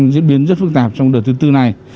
diễn biến rất phức tạp trong đợt thứ tư này